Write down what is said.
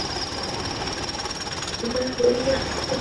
দৌর্বল্য স্বভাবত অনুদার, দুর্বলের আত্মগরিমা ক্ষমাহীন নিষ্ঠুরতার রূপ ধরে।